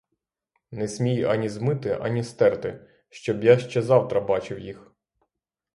Не смій ані змити, ані стерти, щоб я ще завтра бачив їх!